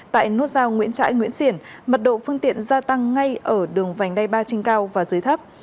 tại nút giao nguyễn trãi nguyễn xiển mật độ phương tiện gia tăng ngay ở đường vành đai ba trên cao và dưới thấp